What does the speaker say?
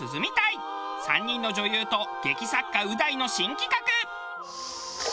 ３人の女優と劇作家う大の新企画！